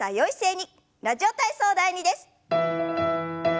「ラジオ体操第２」です。